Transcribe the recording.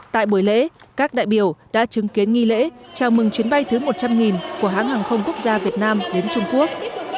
tại buổi lễ các đại biểu đã chứng kiến nghi lễ chào mừng chuyến bay thứ một trăm linh của hãng hàng không quốc gia việt nam đến trung quốc